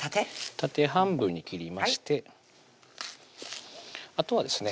縦半分に切りましてあとはですね